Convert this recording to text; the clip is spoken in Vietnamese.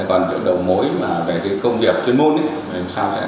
còn chỗ đầu mối về công việc chuyên môn thì sau sẽ chấp nối nếu như mà chào phê của đại đạo